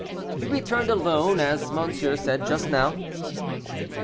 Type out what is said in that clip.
"He returned alone, as monsieur said just now."